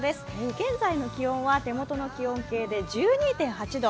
現在の気温は手元の気温計で１２．８度。